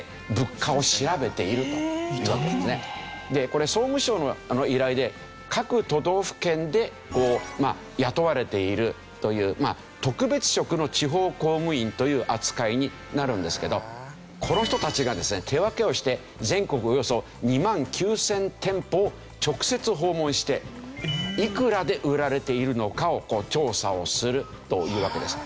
これ総務省の依頼で各都道府県で雇われているという特別職の地方公務員という扱いになるんですけどこの人たちがですね手分けをして全国およそ２万９０００店舗を直接訪問していくらで売られているのかを調査をするというわけです。